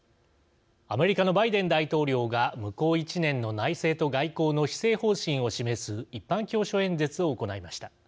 アメリカのバイデン大統領が向こう１年の内政と外交の施政方針を示す一般教書演説を行いました。